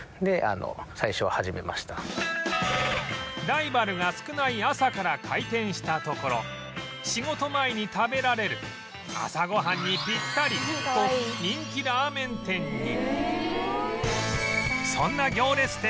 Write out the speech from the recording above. ライバルが少ない朝から開店したところ「仕事前に食べられる」「朝ご飯にピッタリ」と人気ラーメン店に